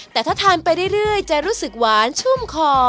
แต่ถ้าทานไปเรื่อยจะรู้สึกหวานชุ่มคอ